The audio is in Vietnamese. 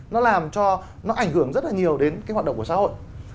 nó làm cho nó ảnh hưởng rất là nhiều đến cái hoạt động của xã hội